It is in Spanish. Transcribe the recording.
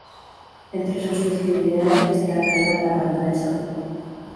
Entre sus festividades destacan la Parranda de San Juan.